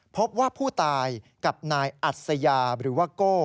พบว่าผู้ตายกับนายอัศยาหรือว่าโก้